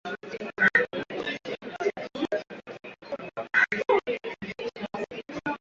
hali inapokuwa shwari kwa maambukizi